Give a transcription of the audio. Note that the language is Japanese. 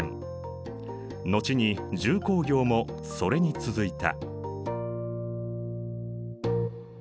後に重工業もそれに続いた。